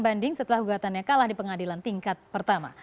banding setelah gugatannya kalah di pengadilan tingkat pertama